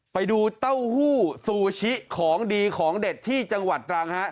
ไปดูเต้าหู้ซูชิของดีของเด็ดที่จังหวัดตรังฮะ